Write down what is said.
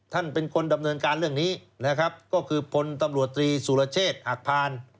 ท่านเป็นคนดำเนินการเรื่องนี้นะครับก็คือพลตำรวจตรีสุรเชษฐ์หักพาน